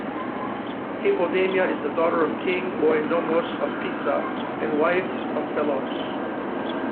Hippodamia is the daughter of King Oenomaus of Pisa and wife of Pelops.